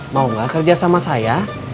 mau gak kerja sama saya